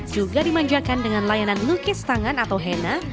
juga dimanjakan dengan layanan lukis tangan atau hena